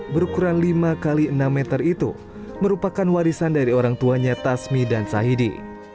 berukuran lima x enam meter itu merupakan warisan dari orang tuanya tasmi dan sahidi